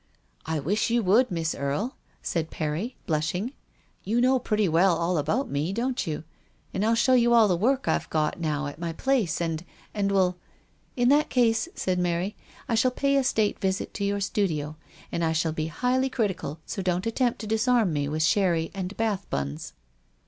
" I wish you would, Miss Erie," said Perry, blushing. " You know pretty well all about me, don't you ? And I'll show you all the work I've got now at my place, and — and will " 186 THE STORY OF A MODERN WOMAN. " In that case," said Mary, " I shall pay a state visit to your studio, and I shall be highly critical; so don't attempt to disarm me with sherry and bath buns."